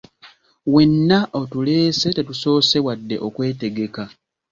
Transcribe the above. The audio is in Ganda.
Wenna otuleese tetusoose wadde okwetegeka.